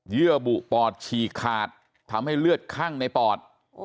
เยื่อบุปอดฉีกขาดทำให้เลือดคั่งในปอด